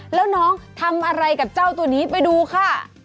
แล้วน้องทำอะไรกับเจ้าตัวนี้ไปดูค่ะ